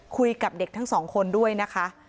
คุยกับเด็กทั้งสองคนด้วยนะคะ